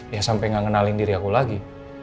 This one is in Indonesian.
ya sampai gak ngenalin diri aku lagi